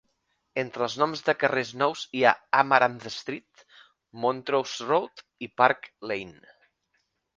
Entre els noms de carrers nous hi ha Amaranth Street, Montrose Road i Park Lane.